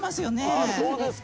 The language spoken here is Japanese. あっそうですか。